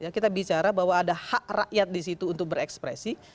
kita bicara bahwa ada hak rakyat disitu untuk berekspresi